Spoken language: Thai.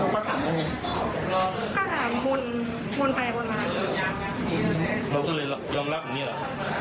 แล้วก็เลยยอมรับแบบนี้หรอ